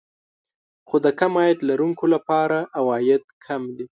خو د کم عاید لرونکو لپاره عواید کم دي